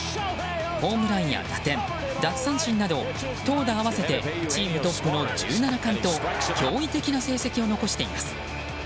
ホームランや打点、奪三振など投打合わせてチームトップの１７冠と驚異的な成績を残しています。